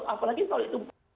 apalagi kalau itu